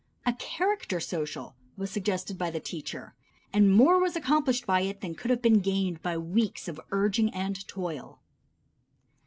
A character social was suggested by the teacher, and more was accomplished by it than could have been gained by weeks of urging and toil.